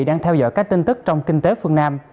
đang theo dõi các tin tức trong kinh tế phương nam